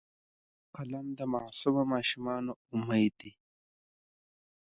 قلم د معصومو ماشومانو امید دی